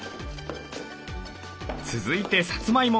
続いてさつまいも。